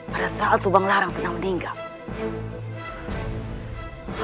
pada saat subang larang sedang meninggal